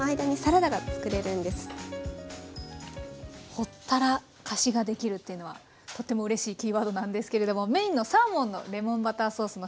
ほったらかしができるっていうのはとってもうれしいキーワードなんですけれどもメインのサーモンのレモンバターソースの下ごしらえから教わります。